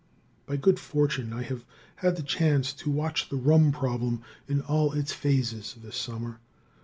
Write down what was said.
By good fortune I have had a chance to watch the rum problem in all its phases this summer.